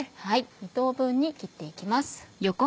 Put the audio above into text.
２等分に切って行きます。